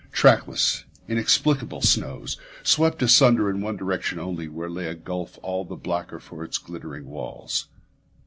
Trackless, inexplicable snows, swept asunder in one direction only, where lay a gulf all the blacker for its glittering walls.